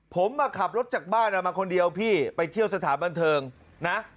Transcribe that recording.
ผมมาขับรถจากบ้านมาคนเดียวพี่ไปเที่ยวสถานบันเทิงนะ